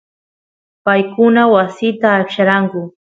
paykuna wasita aqllaranku